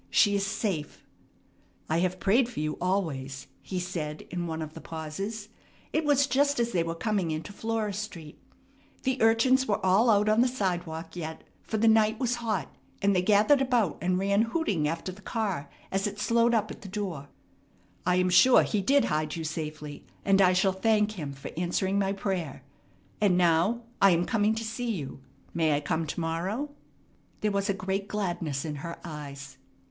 She is safe!" "I have prayed for you always," he said in one of the pauses. It was just as they were coming into Flora Street. The urchins were all out on the sidewalk yet, for the night was hot; and they gathered about, and ran hooting after the car as it slowed up at the door. "I am sure He did hide you safely, and I shall thank Him for answering my prayer. And now I am coming to see you. May I come to morrow?" There was a great gladness in her eyes.